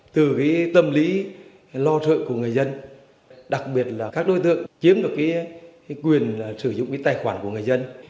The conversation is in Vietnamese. từ cái tâm lý lo sợ của người dân đặc biệt là các đối tượng chiếm được cái quyền sử dụng cái tài khoản của người dân